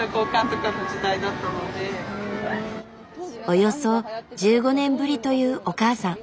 およそ１５年ぶりというお母さん。